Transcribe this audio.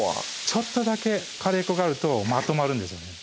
ちょっとだけカレー粉があるとまとまるんですよね